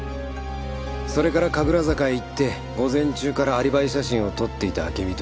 それから神楽坂へ行って午前中からアリバイ写真を撮っていた暁美と合流。